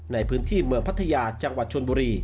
ในพื้นที่เมืองพัทยาจังหวัดชนบุรี